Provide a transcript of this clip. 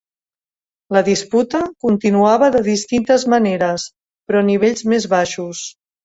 La disputa continuava de distintes maneres, però a nivells més baixos.